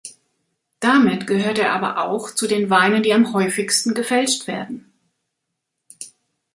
Damit gehört er aber auch zu den Weinen, die am häufigsten gefälscht werden.